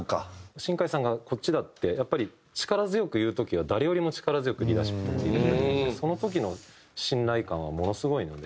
新海さんが「こっちだ」ってやっぱり力強く言う時は誰よりも力強くリーダーシップとっていただくんでその時の信頼感はものすごいので。